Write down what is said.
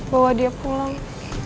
bawa dia pulang